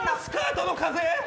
スカートの風